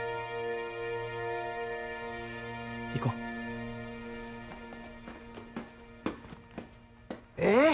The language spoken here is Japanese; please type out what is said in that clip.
行こうえーっ！？